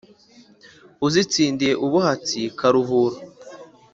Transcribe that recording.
uzitsindiye ubuhatsi karuhura